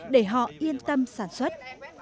để họ yên tâm sản xuất